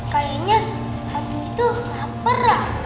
kayaknya hantu itu lapar